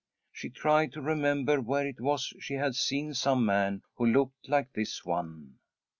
She tried to remember where it was she had seen some man who looked like this one.